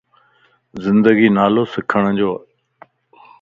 زندگي نالو سکڻ جو